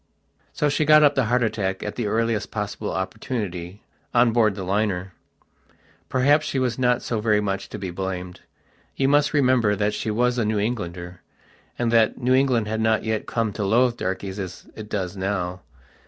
So she got up the heart attack, at the earliest possible opportunity, on board the liner. Perhaps she was not so very much to be blamed. You must remember that she was a New Englander, and that New England had not yet come to loathe darkies as it does now.